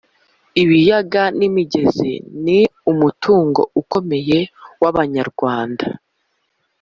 Ibiyaga n’imigezi ni umutungo ukomeye w’Abanyarwanda